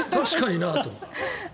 確かになと。